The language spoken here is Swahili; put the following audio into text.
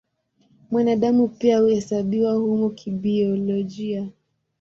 Mwanadamu pia huhesabiwa humo kibiolojia.